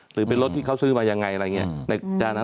หรือเป็นรถที่เขาซื้อมายังไงอะไรอย่างนี้